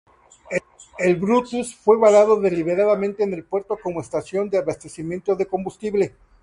El "Brutus" fue varado deliberadamente en el puerto como estación de abastecimiento de combustible.